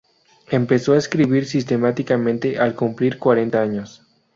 Empezó a escribir sistemáticamente al cumplir cuarenta años.